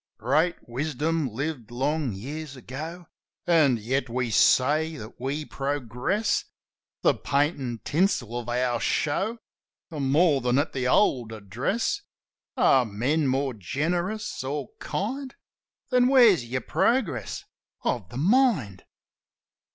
"Great wisdom lived long years ago, An' yet we say that we progress. The paint an' tinsel of our show Are more than at the old address. Are men more generous, or kind? Then where's your progress of the mind?"